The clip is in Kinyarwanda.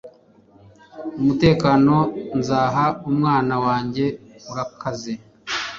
umutekano nzaha umwana wanjye urakaze